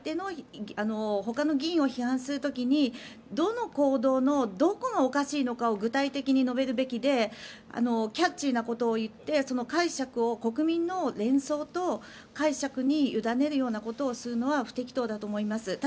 ほかの議員を批判する時にどの行動のどこがおかしいのかを具体的に述べるべきでキャッチーなことを言って解釈を国民の連想と解釈に委ねるようなことをするのは不適当だと思います。